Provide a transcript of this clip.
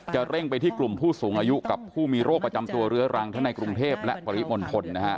เร่งไปที่กลุ่มผู้สูงอายุกับผู้มีโรคประจำตัวเรื้อรังทั้งในกรุงเทพและปริมณฑลนะฮะ